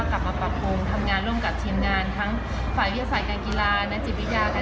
ก็อยากขอบคุณกำลังใจสำหรับแฟนนักกีฬาของไทยนะคะ